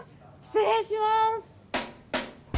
失礼します。